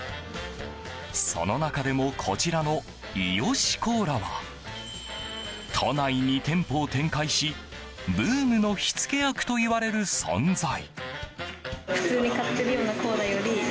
その中でもこちらの伊良コーラは都内２店舗を展開しブームの火付け役といわれる存在。